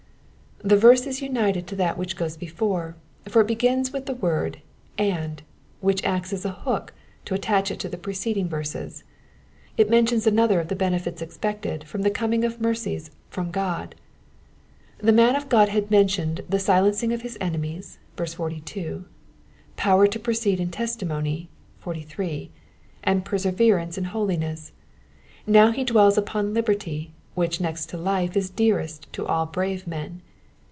The verse is united to that which goes before, for it begins with the word And," which acts as a hook to attach it to the preceding verses. It mentions another of the benefits expected from the coming of mercies from God. The man of Qod had mentioned the silencing of his enemies (42), Sower to proceed in testimony (43), and perseverance in holiness ; now he wells upon liberty, which next to life is dearest to all brave men.